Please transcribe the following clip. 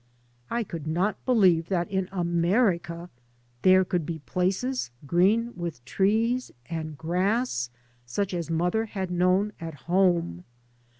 I could not believe that in America there could be places green with trees and grass such as mother had known " at home."